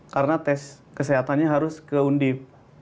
karena tes kesehatannya harus ke undip